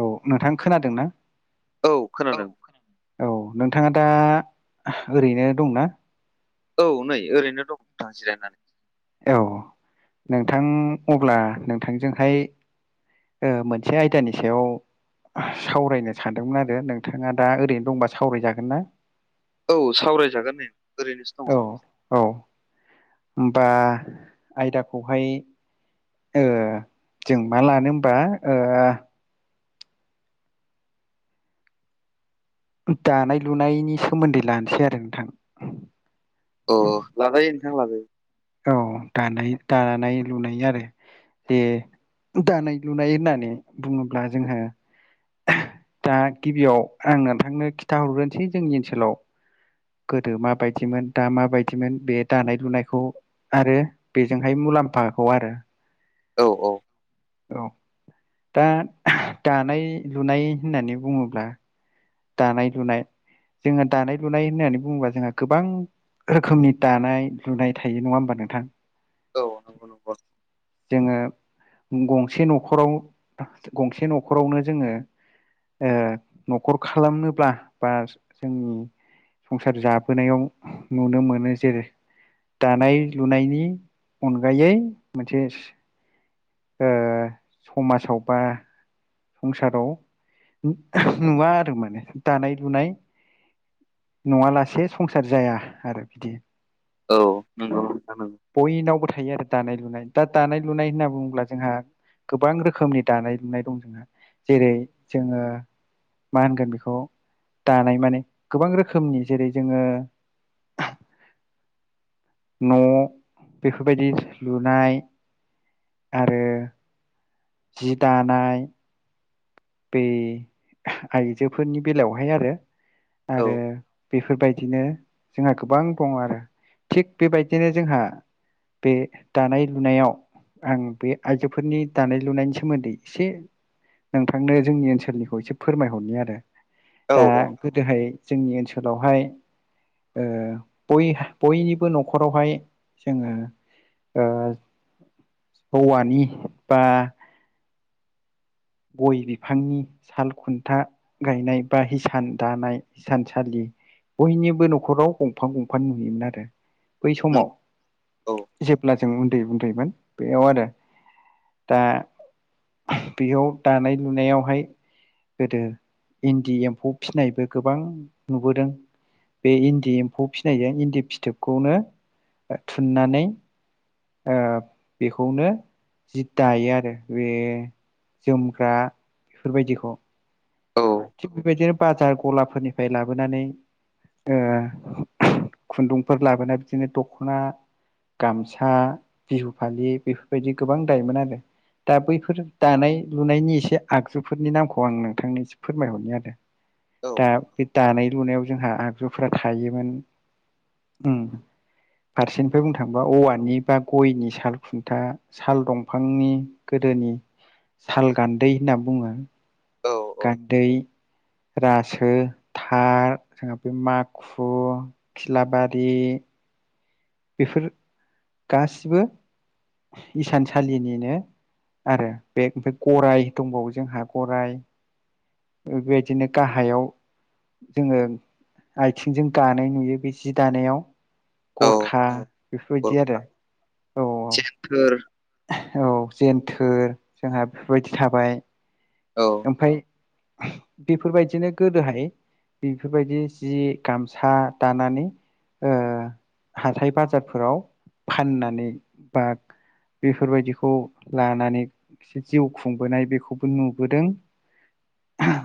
औ नोंथां खोनादों ना? औ खोनादों। औ नोंथाङा दा ओरैनो दंना? औ नै ओरैनो दं नोंथां जिरायनानै औ नोंथां अब्ला नोंथांजोंहाय ओ मोनसे आयदानि सायाव सावरायनो सानदोंमोन आरो नोंथाङा दा ओरैनो दंबा सावराय जागोन ना? औ सावरायजागोन नेै ओरैनोसो दङ औ आं औ बा आयदाखौहाय ओ जों मा लानो होनबा ओ दानाय लुनायनि सोमोन्दै लानोसै आरो नोंथां। अ लाजायो नोंथां लाजायो औ दानाय दानाय लुनाय आरो दे दानाय लुनाय होननानै बुङोब्ला जोंहो दा गिबियाव आं नोंथांनो खिन्था हरग्रोनसै जोंनि ओनसोलाव गोदो माबायदिमोन दा माबायदिमोन बे दानाय लुनायखौ आरो बेजोंहाय मुलाम्फाखौ आरो औ औ औ दा दानाय लुनाय होननानै बुङोब्ला दानाय लुनाय जोङहा दानाय लुनाय होननानै बुंङोबा जोंहा गोबां रोखोमनि दानाय लुनाय थायो नंङा होनमबा नोंथां औ नंगौ नंगौ औ जोंङो गंसे न'खराव गंसे न'खरावनो जोंङो ओ खल खालामनोब्ला बा जोंनि संसार जाबोनायाव नुनो मोनो जेरै दानाय लुनायनि अनगायै मोनसे समाजावबा संसाराव नुवा आरो माने दानाय लुनाय नंङालासे संसार जाया आरो बिदि औ नंगौ बयनावबो थायो आरो दानाय लुनाय दा दानाय लुनाय होनना बुंङोब्ला जोंहा गोबां रोखोमनि दानाय लुनाय दं जोंहा जेरै जोंङो मा होनगोन बेखौ दानाय माने गोबां रोखोमनि जेरै जोंङो [inaudible] न' बेफोरबायदि लुनाय आरो जि दानाय बै आइजोफोरनि बेलायावहाय आरो औ आरो बेफोरबायदिनो जोंहा गोबां दंङो आरो थिग बेबायदिनो जोंहा बे दानाय लुनायाव आं बे आइजोफोरनि दानाय लुनायनि सोमोन्दै एसे आनो जोंनि ओनसोलनिखौ एसे फोरमायहरनि आरो औ दा औ गोदोहाय जोंनि ओनसोल उनावहाय बयनिबो न'खरावहाय जोंङो ओ हौवानि बा गय बिफांनि साल खुन्था गायनाय बा हिसान दानाय हिसानसालि बयनिबो न'खराव गंफां गंफां नुहैयोमोन आरो बै नंगौ औ समाव जेब्ला जों उन्दै उन्दैमोन बेयाव आरो दा बेयाव दानाय लुनायावहाय गोदो इन्दि एम्फौ फिनायबो गोबां नुबोदों बे इन्दि एम्फौ फिसिनायजों इन्दि फिथोबखौनो थुननानै ओ बेखौनो जि दायो आरो बे जोमग्रा बेफोरबायदिखौ औ थिग बेबायदिनो बाजार गलाफोरनिफ्राय लाबोनानै ओ खुन्दुंफोर लाबोना बिदिनो दख'ना गामसा बिहु फालि बेफोरबायदि गोबां दायोमोन आरो दा बैफोर दानाय लुनायनि एसे आगजुफोरनि नामखौ आं नोंथांनिसिम फोरमायहरनि आरो औ दा बे दानाय लुनायाव जोंहा आगजुफोरा थायोमोन उम फारसेनिफ्राय बुंनो थांङोबा औवानि बा गयनि साल खुन्था साल दंफांनि गोदोनि साल गान्दै होनना बुंङो औ औ गान्दै रासो थार जोंहा बे माखु खिलाबारि बेफोर गासिबो इसानसालिनिनो आरो बे ओमफ्राय गराय दंबावो जोंहा गराय बेबायदिनो गाहायाव जोंङो आथिंजों दानाय नुयो बे जि दानायाव गरखा बेफोरबायदि आरो औ जेनथोर औ जेन्थोर जोंहा बेफोरबायदि थाबाय औ ओमफाय बेफोरबायदिनो गोदोहाय बेफोरबायदि जि गामसा दानानै ओ हाथाय बाजारफोराव फाननानै बा बेफोरबायदिखौ लानानै जिउ खुंबोनाय बेखौबो नुबोदों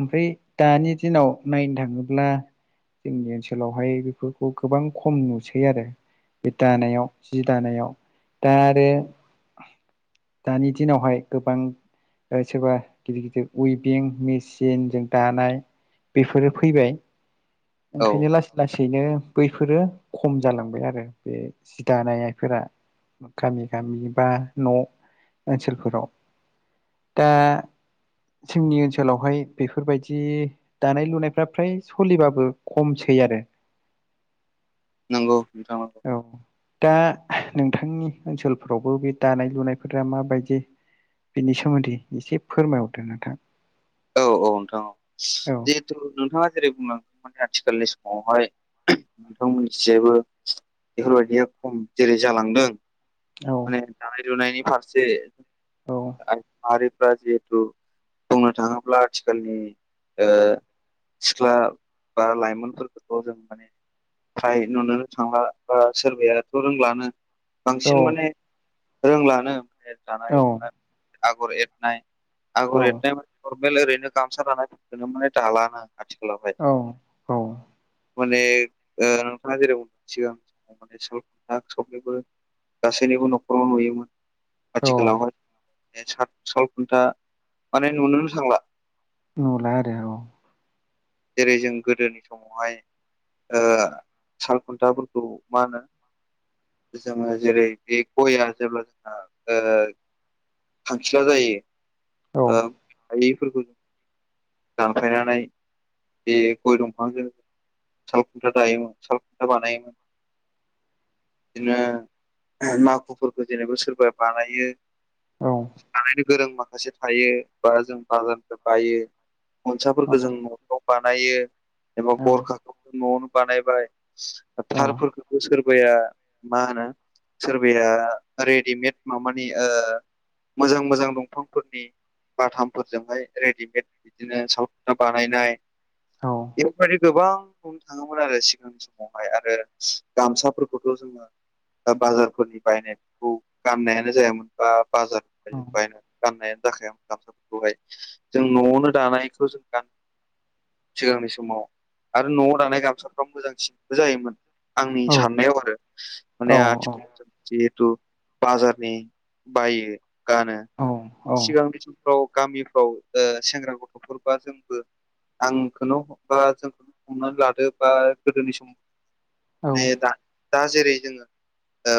ओमफ्राय दानि दिनाव नायनो थाङोब्ला जोंनि ओनसोलावहाय बेफोरखौ गोबां खम नुसै आरो बे दानायाव जि दानायाव दा आरो दानि दिनावहाय गोबां सोरबा गिदिर गिदिर उइभिं मेचिनजों दानाय बेफोरो फैबाय औ ओंखायनो लासै लासै बिदिनो बैफोरो खम जालांबाय आरो बे जि दानायनायफोरा गामि गामि बा न' ओनसोलफोराव दा जोंनि ओनसोलावहाय बेफोरबायदि दानाय लुनायफ्रा फ्राय सोलिबाबो खमसै आरो नंगौ नोंथां औ औ दा नोंथांनि ओनसोलफोरावबो बे दानाय लुनायफोरा माबायदि बिनि सोमोन्दै एसे फोरमायहरदो नोंथां औ औ नोंथां औ औ जिहेथु नोंथाङा जेरै बुंनांगोन माने आथिखालनि समावहाय नोंथांमोनथिंबो बेफोरबायदिया खम जेरै जालांदों औ माने दानाय लुनायनि फारसे औ आरो जिहेतु बुंनो थांङोब्ला आथिखालनि सिख्ला बा लाइमोनफोरखौ जों माने फ्राय नुनो थांला बा सोरबायाथ' रोंलानो बांसिन माने रोंलानो माने औ दानाय नाय आगर एरनाय औ आगर एरनाय माने नरमेल ओरैनो गामसा दानो माने दालानो आथिखालावहाय औ औ माने ओ‌ नोंथाङा जेरै उन सिगां माने साल खुन्था सबनिबो गासैनिबो न'खराव नुयोमोन औ आथिखालावहाय बे साल साल खुन्था माने नुनोनो थांला नुला आरो औ जेरै जों गोदोनि समावहाय साल खुन्थाफोरखौ मा होनो जोंङो जेरै बे गयआ जेब्ला जोंहा खांखिला जायो औ गायैफोरखौ जों दानखायनानै बे गय दंफांजों साल खुन्था दायोमोन सालखुन्था बानायोमोन बिदिनो माखु'फोरखौ जेनेबा सोरबा बानायो औ थारैनो गोरों माखासे थायो बा जों बागानफोर बायो औ गनसाफोरखौ जों न'फोराव बानायो एबा गरखाखौ न'आवनो बानायबाय थारफोरखौबो सोरबाया मा होनो सोरबाया रेडिमेड माबानि मोजां मोजां दंफांफोरनि बाथामफोरजोंहाय रेडिमेद बिदिनो सावना बानायनाय बे गोबां बुंनो थांङोमोन आरो सिगांनि समावहाय आरो गामसाफोरखौथ' जोंङो बाजारफोरनि बायनायखौ गाननायानो जायामोन बा बाजार बाय गाननायानो जाखायोन गामसाफोरखौहाय जों न'आवनो दानायखौ जों गान सिगांनि समाव आरो न'आव दानाय गामसाफ्रा मोजांसिनबो जायोमोन आंनि साननायाव आरो माने आथिखालाव बाजारनि बायो गानो सिगांनि समफ्राव गामिफ्राव सेंग्रा गथ'फोरबा जोंबो आंखौनो बा जोंखौ हमनानै लादो बा गोदोनि समाव नै दा दा जेरै जोंङो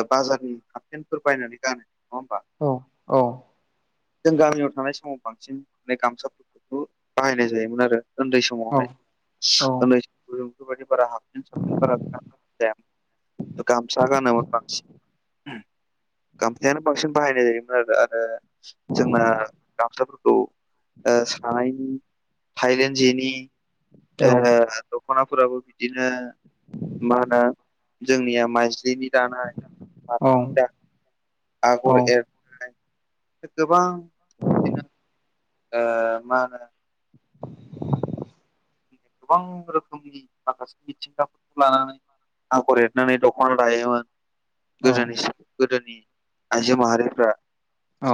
बाजारनि हापपेनफोर बायनानै गानो नंङा होमबा औ औ जों गामियाव थानाय समाव बांसिन माने गामसाफोरखौथ बाहायनाय जायोमोन आरो उन्दै समावहाय। उनै बेफोरबायदि बारा हाबसिन साबसिन बारा गानाय जाया। गामसा गानोमोन बांसिन। गामसायानो बांसिन बाहायनाय जायोमोन आरो आरो जोंना गामसाफोरखौ ओ थानायनि थाइलेण्ड जेनि ओ दख'नाफोराबो बिदिनो मा होनो जोंनिया माइजलिनि दानाय माथानि दा आगर एरनाय गोबां बिदिनो ओ माहोन गोबां रोखोमनि माखासे मिथिंगाफोरखौ लानानै आगर एरनानै दख'ना लायोमोन। गोदो गोदोनि आइजो माहारिफ्रा औ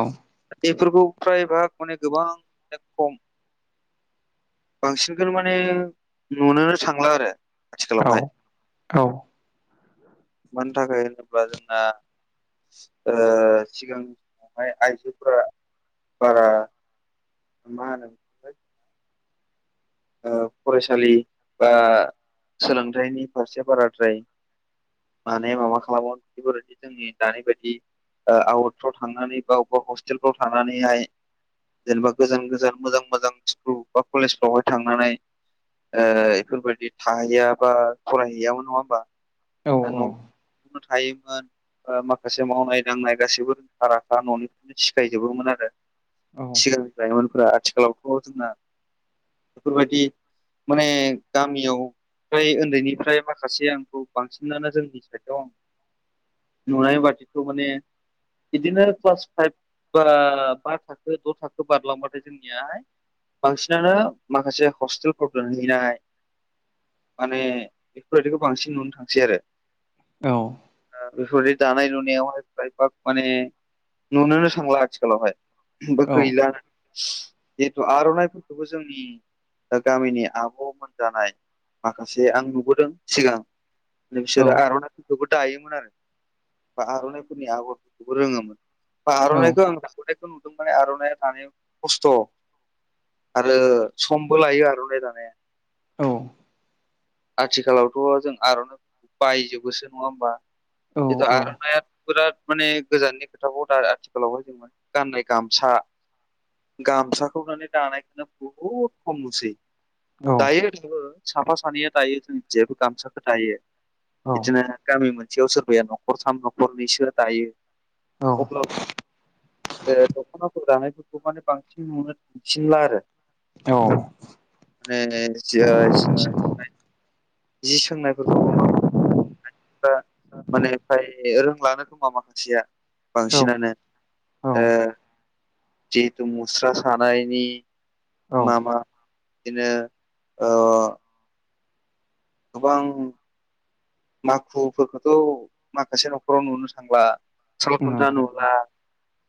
बेफोरखौ फ्रायबा माने गोबां खम बांसिन बे माने नुनोनो थांला आरो आथिखालावहाय। औ मानि थाखाय होनोब्ला जोंना ओ सिगांनि समावहाय आइजोफोरा बारा मा होनो फरायसालि बा सोलोंथाइनि फारसे बाराद्राय माने माबा खालामो बिफोरदि जोंनि दानि बायदि आउटफ्राव थांनानै बा अबेबा हस्टेलफ्राव थांनानैहाय जेनेबा गोजान गोजान मोजां मोजां स्कुल बा कलेजफ्रावहाय थांनानै इफोरबायदि थाहैया बा फरायहैयामोन नंङा होमबा औ न'नो थायोबा माखासे मावनाय दांनाय गासैबो रोंखा राखा न'निफ्रायनो सिखायजोबोमोन आरो सिगांनि लाइमोनफोरा आथिखालावथ' जोंना बेफोरबायदि माने गामियाव ओमफ्राय ओन्दैनिफ्राय माखासे आंखौ बांसिनानो जोंनि साइडआव आं नुनाय बादिथ' माने बिदिनो क्लास फाइभ बा बा थाखो द' थाखो बारलांबाथाय जोंनियाहाय बांसिनानो माखासे हस्टेल फ्राव दोनहैनाय माने बेफोरबायदिखौ बांसिन नुनो थांसै आरो। औ ओ बेफोरबादि दानाय लुनायावहाय खायफा माने नुनोनो थांला आथिखालावहाय। बा गैला जिहेतु आर'नाइफोरखौबो जोंनि दा गामिनि आब' मोनजानाय माखासे आं नुबोदों सिगां नोंसोर आर खौबो दायोमोन आरो बा आर'नाइफोरनि आगरफोरखौबो रोङोमोन। बा आर'नायखौ आं [unintelligible] माने आर'नाइ दानायाव खस्थ' आरो समबो लायो आर'नाइ दानाया औ आथिखालावथ' जों आर'नाइ बायजोबोसो नङा होमबा जिथु आर'नाइया बिराद माने गोजाननि खोथाखौ दा आथिखालावहाय जोङो गाननाय गामसा गामसाखौ माने दानायखौनो बुहुद खम नुसै। दायो ओरैजायबो साफा सानैया दायो जोंनिखिजायबो गामसाखौ दायो। बिदिनो गामि मोनसेयाव सोरबाया न'खरथाम न'खरनैसोआ दायो। अब्ला ओ दख'नाफोर दानायफोरखौ माने बांसिन नुनो थांफिनला आरो। औ [unintelligible] जि सोंनायफोरखौबो मा माने फ्राय रोंलानो खोमा माखासेया बांसिनानो। ओ जिहेथु मुस्रा सानायनि मा मा बिदिनो ओ गोबां माखुफोरखौथ' माखासे न'खराव नुनो थांला। सालखुन्था नुला।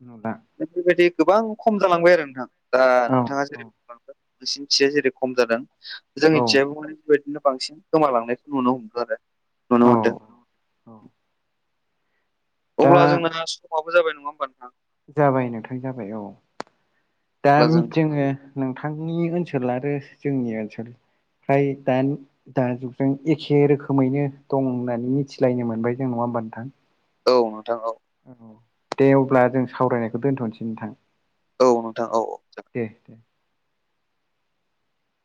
नुला बेफोरबायदि गोबां खम जालांबाय आरो नोंथां दा औ नोंथाङा जेरै [inaudible] नोंसिनिखिजा जेरै खम जादों औ जोंनिथिजायबो माने बेबायदिनो बांसिन गोमालांनायखौ नुनो हमदों आरो। नुनो औ मोनदों। औ दा अब्ला जोंना समाबो जाबाय नङा होमबा नोंथां? जाबाय नोंथां जाबाय औ दा अब्ला जों मिथ-जोङो नोंथांनि ओनसोल आरो जोंनि ओनसोल फ्राय दानि दा जुगजों एखे रोखोमैनो दं होननानै मिथिलायनो मोनबाय जों नङा होमबा नोंथां? औ नोंथां औ। औ दे अब्ला जों सावरायनायखौ दोन्थ'नोसै नोंथां। औ नोंथां औ औ जाग दे